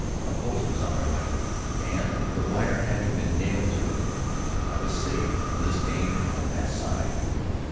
A post was at my right, and, the wire having been nailed to it, I was safe from this danger on that side.